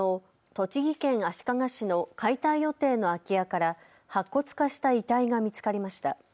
栃木県足利市の解体予定の空き家から白骨化した遺体が見つかりました。